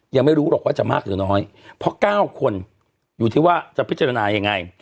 ยังไม่รู้หรอกว่าจะมากหรือน้อยเพราะ๙คนอยู่ที่ว่าจะพิจารณายังไง